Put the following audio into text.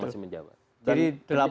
masih menjawab jadi